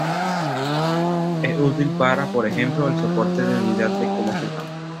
Es útil para, por ejemplo, el soporte de Unidad de coma flotante.